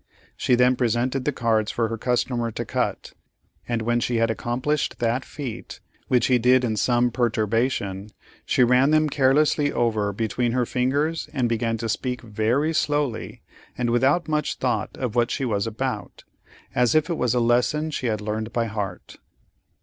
She then presented the cards for her customer to cut, and when he had accomplished that feat, which he did in some perturbation, she ran them carelessly over between her fingers, and began to speak very slowly, and without much thought of what she was about, as if it was a lesson she had learned by heart.